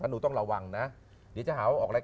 หนูต้องระวังนะเดี๋ยวจะหาว่าออกอะไร